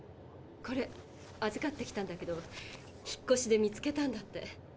これ預かってきたんだけど引っこしで見つけたんだって。